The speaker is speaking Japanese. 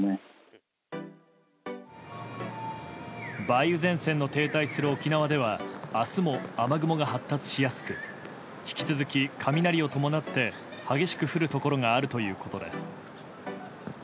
梅雨前線の停滞する沖縄では明日も雨雲が発達しやすく引き続き雷を伴って激しく降るところがあるということです。